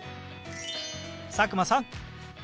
佐久間さん